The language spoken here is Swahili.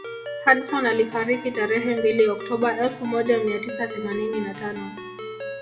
Hudson alifariki tarehe mbili Oktoba elfu moja mia tisa themanini na tano